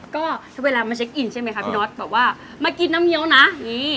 ก็เวลามาเช็คอินใช่ไหมค่ะพี่น้อสแบบว่ามากินน้ำเงี้ยวนะนี่